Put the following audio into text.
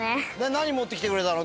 何持ってきてくれたの？